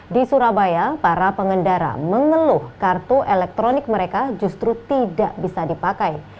di surabaya para pengendara mengeluh kartu elektronik mereka justru tidak bisa dipakai